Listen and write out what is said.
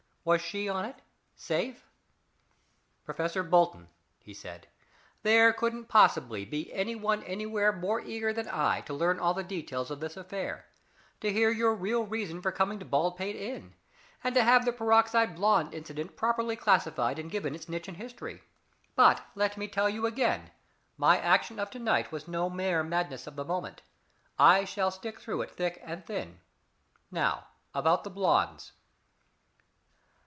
Was she on it safe? "Professor Bolton," he said, "there couldn't possibly be any one anywhere more eager than I to learn all the details of this affair to hear your real reason for coming to Baldpate Inn, and to have the peroxide blond incident properly classified and given its niche in history. But let me tell you again my action of to night was no mere madness of the moment. I shall stick to it through thick and thin. Now, about the blondes."